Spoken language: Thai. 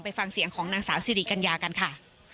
ฟังเสียงของนางสาวสิริกัญญากันค่ะ